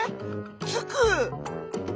つく。